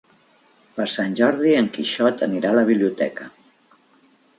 Per Sant Jordi en Quixot anirà a la biblioteca.